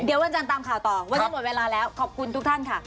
เดี๋ยววันจันทร์ตามข่าวต่อวันนี้หมดเวลาแล้วขอบคุณทุกท่านค่ะ